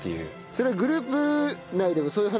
それグループ内でもそういう話になるの？